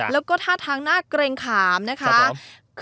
แล้วก็ท่าทางน่าเกรงขามนะคะ